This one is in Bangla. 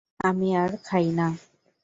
আমি আর খাই না।